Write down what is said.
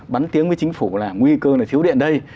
bắn tiếng với chính phủ là nguy cơ là thiếu điện đây